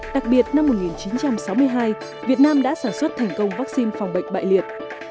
đặc biệt năm một nghìn chín trăm sáu mươi hai việt nam đã sản xuất thành công vaccine phòng bệnh bại liệt